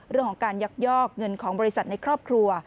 เรื่องของการยักยอกเงินของบริษัทในครอบครัว